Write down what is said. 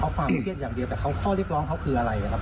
เอาความเครียดอย่างเดียวแต่เขาข้อเรียกร้องเขาคืออะไรนะครับ